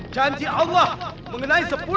janji allah mengenai sepuluh kali lipat